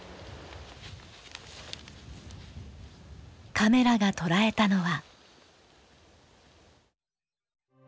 カメラが捉えたのは。